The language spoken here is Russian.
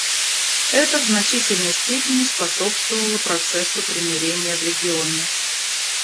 Это в значительной степени способствовало процессу примирения в регионе.